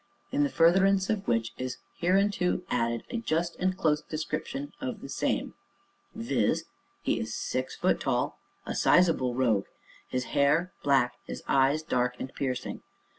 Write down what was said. In the furtherance of which, is hereunto added a just and close description of the same VIZ. He is six foot tall, and a sizable ROGUE. His hair, black, his eyes dark and piercing.